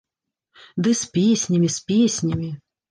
Ды з песнямі, з песнямі!